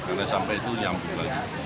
karena sampai itu nyambung lagi